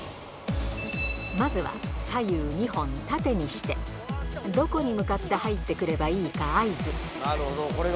まずは左右２本縦にして、どこに向かって入ってくればいいか合図。